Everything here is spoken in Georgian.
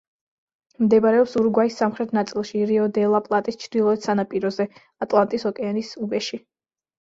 მდებარეობს ურუგვაის სამხრეთ ნაწილში, რიო-დე-ლა-პლატის ჩრდილოეთ სანაპიროზე, ატლანტის ოკეანის უბეში.